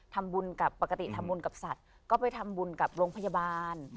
ทำบุญกับปกติทำบุญกับสัตว์ก็ไปทำบุญกับโรงพยาบาล